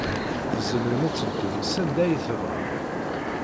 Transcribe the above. Tzemrem ad teddum sanda ay tebɣam.